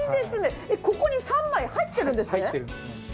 ここに３枚入ってるんですね？